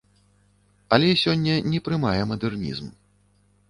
Але сёння не прымае мадэрнізм.